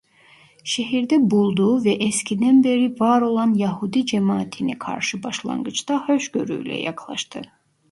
Şehirde bulduğu ve eskiden beri var olan Yahudi cemaatine karşı başlangıçta hoşgörüyle yaklaştı.